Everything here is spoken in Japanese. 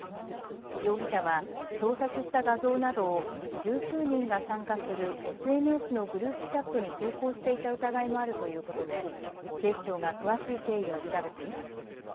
容疑者は盗撮した画像などを十数人が参加するＳＮＳのグループチャットに投稿していた疑いもあるということで警視庁が詳しい経緯を調べています。